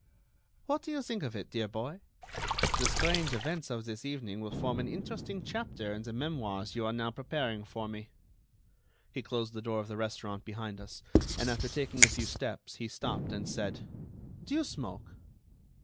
"What do you think of it, dear boy? The strange events of this evening will form an interesting chapter in the memoirs you are now preparing for me." He closed the door of the restaurant behind us, and, after taking a few steps, he stopped and said: "Do you smoke?"